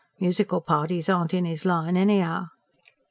Musical parties aren't in his line anyhow."